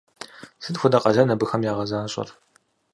Сыт хуэдэ къалэн абыхэм ягъэзащӏэр?